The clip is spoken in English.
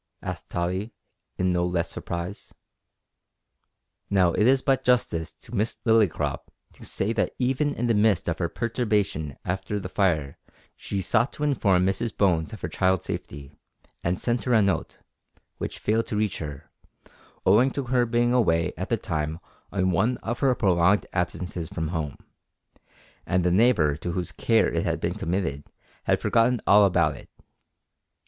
asked Tottie in no less surprise. Now it is but justice to Miss Lillycrop to say that even in the midst of her perturbation after the fire she sought to inform Mrs Bones of her child's safety, and sent her a note, which failed to reach her, owing to her being away at the time on one of her prolonged absences from home, and the neighbour to whose care it had been committed had forgotten all about it.